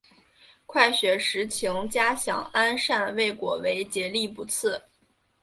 快雪时晴佳想安善未果为结力不次。